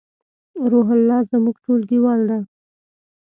روح الله زمونږ ټولګیوال ده